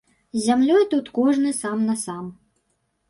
З зямлёй тут кожны сам-насам.